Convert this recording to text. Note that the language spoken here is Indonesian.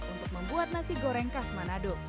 untuk membuat nasi goreng khas manado